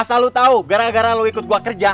asal lu tau gara gara lu ikut gue kerja